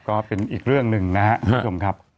ก็เป็นอีกเรื่องหนึ่งนะทุกคนครับ